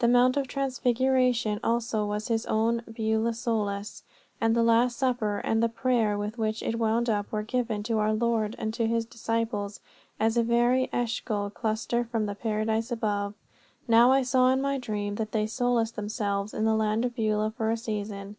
The Mount of Transfiguration also was His own Beulah solace; and the Last Supper and the prayer with which it wound up were given to our Lord and to His disciples as a very Eshcol cluster from the Paradise above. Now, I saw in my dream that they solaced themselves in the land of Beulah for a season.